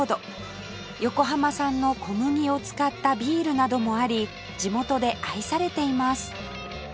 横浜産の小麦を使ったビールなどもあり地元で愛されています